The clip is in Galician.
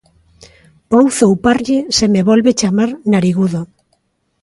Vou zouparlle se me volve chamar narigudo.